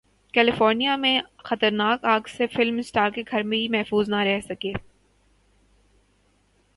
California میں خطرناک اگ سے فلم اسٹارز کے گھر بھی محفوظ نہ رہ سکے